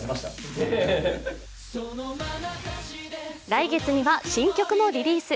来月には新曲もリリース。